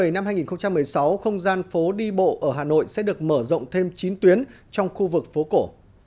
năm hai nghìn một mươi sáu không gian phố đi bộ ở hà nội sẽ được mở rộng thêm chín tuyến trong khu vực phố cổ